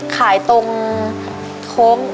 ขายตรงโค้ง